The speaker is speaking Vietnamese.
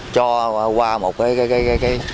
cho qua một cái